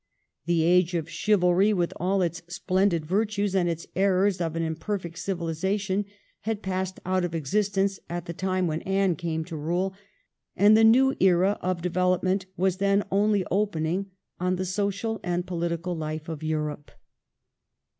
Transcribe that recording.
The age of chivalry, with all its splendid virtues, and its errors of an imperfect civihzation, had passed out of existence at the time when Anne came to rule, and the new era of de velopment was then only opening on the social and political life of Europe.